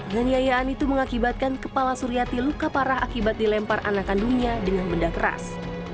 kenyayaan itu mengakibatkan kepala suriati luka parah akibat dilempar anak kandungnya dengan benda keras